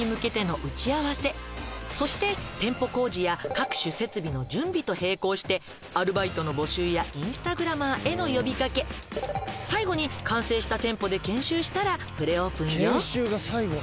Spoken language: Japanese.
「そして店舗工事や各種設備の準備と並行してアルバイトの募集やインスタグラマーへの呼び掛け」「最後に完成した店舗で研修したらプレオープンよ」